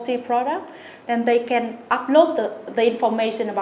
thì họ có thể đăng ký thông tin về sản phẩm đó